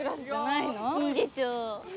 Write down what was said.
いいでしょう。